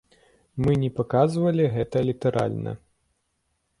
Мы не паказвалі гэта літаральна.